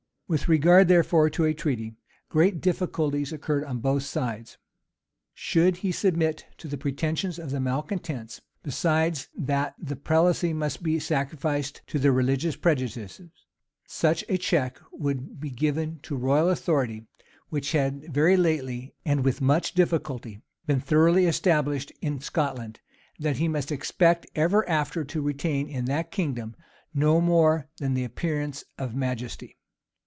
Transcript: With regard therefore to a treaty, great difficulties occurred on both sides. Should he submit to the pretensions of the malecontents, (besides that the prelacy must be sacrificed to their religious prejudices,) such a check would be given to royal authority, which had very lately, and with much difficulty, been thoroughly established in Scotland, that he must expect ever after to retain in that kingdom no more than the appearance of majesty.